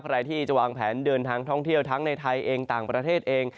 ใครที่จะวางแผนเดินทางท่องเที่ยวทั้งในไทยเองต่างประเทศเอง